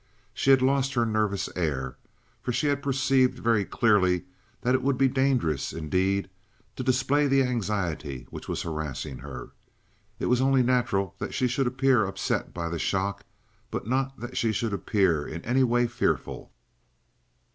She had lost her nervous air, for she had perceived very clearly that it would be dangerous, indeed, to display the anxiety which was harassing her. It was only natural that she should appear upset by the shock, but not that she should appear in any way fearful.